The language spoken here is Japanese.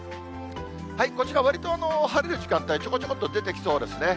こちら、わりと晴れる時間帯、ちょこちょこっと出てきそうですね。